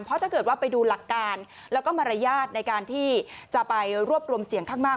เพราะถ้าเกิดว่าไปดูหลักการแล้วก็มารยาทในการที่จะไปรวบรวมเสียงข้างมาก